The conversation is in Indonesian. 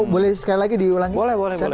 boleh sekali lagi diulangi